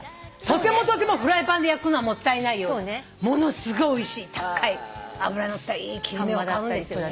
とてもとてもフライパンで焼くのはもったいないようなものすごいおいしい高い脂乗ったいい切り身を買うんですよ